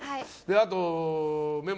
あと、メモ